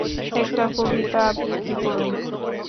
একটা কবিতা আবৃত্তি করুন।